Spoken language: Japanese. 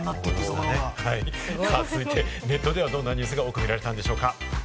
続いてネットではどんなニュースが多く見られたんでしょうか？